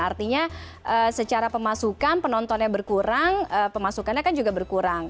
artinya secara pemasukan penontonnya berkurang pemasukannya kan juga berkurang